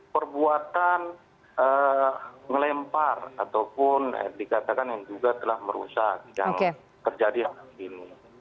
perbuatan ngelempar ataupun yang dikatakan juga telah merusak yang terjadi hari ini